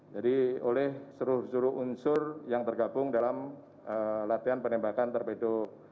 jadi oleh seluruh unsur yang tergabung dalam latihan penembakan terpedu